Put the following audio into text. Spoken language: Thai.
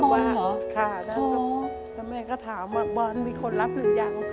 บอลเหรอค่ะแล้วแม่ก็ถามว่าบอลมีคนรับหรือยัง